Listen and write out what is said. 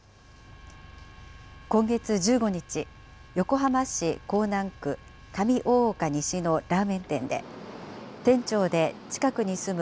今月１５日、横浜市港南区上大岡西のラーメン店で、店長で近くに住む